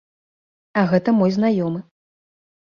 А гэта мой знаёмы.